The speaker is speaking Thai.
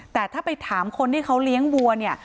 แต่ถ้าไปถามคนที่เขาเลี้ยงวัวเนี่ย